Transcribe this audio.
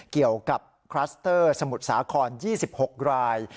เกี่ยวกับคลัสเตอร์สมุทรสาคร๒๖ราย